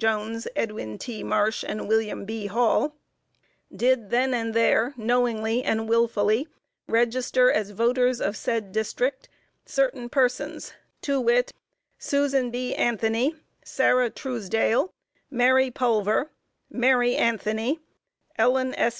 Jones, Edwin T. Marsh and William B. Hall, did then and there knowingly and wilfully register as voters of said District, certain persons, to wit: Susan B. Anthony, Sarah Truesdale, Mary Pulver, Mary Anthony, Ellen S.